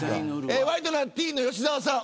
ワイドナティーンの吉澤さん